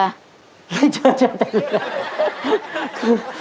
ไม่เจอเจอแต่เรือ